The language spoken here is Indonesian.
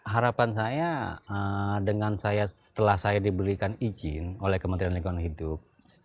harapan saya dengan saya setelah saya diberikan izin oleh kementerian lingkungan hidup